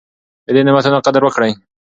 د دې نعمتونو قدر وکړئ.